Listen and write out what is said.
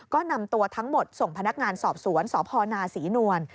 ก็นำตัวทั้งหมดส่งพนักงานสอบสวนสพนาศรีนวล